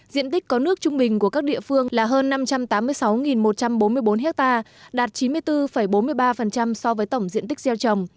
diện tích có nước trung bình của các địa phương là hơn năm trăm tám mươi sáu một trăm bốn mươi bốn ha đạt chín mươi bốn bốn mươi ba so với tổng diện tích gieo trồng